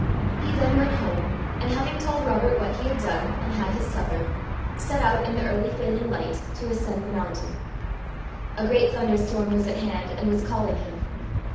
He then went home, and having told Robert what he had done, and had his supper, set out in the early failing light, to ascend the mountain. A great thunder storm was at hand, and was calling him.